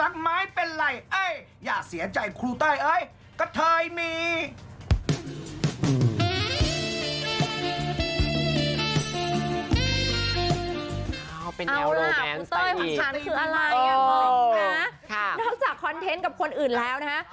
น้องจากคอนเท้นต์กับคนอื่นแล้วนะฮะ